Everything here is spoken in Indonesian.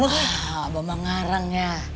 abang mengarang ya